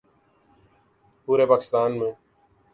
پورے پاکستان میں